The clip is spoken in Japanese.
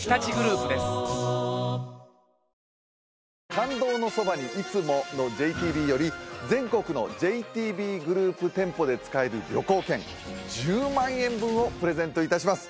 「感動のそばに、いつも。」のＪＴＢより全国のＪＴＢグループ店舗で使える旅行券１０万円分をプレゼントいたします